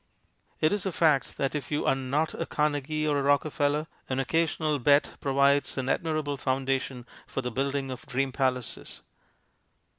It is a fact that if you are not a Carnegie or a Rockefeller an occasional bet provides an admirable foundation for the building of dream palaces.